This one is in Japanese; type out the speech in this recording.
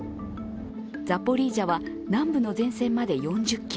ザポリージャは南部の前線まで４０ｋｍ。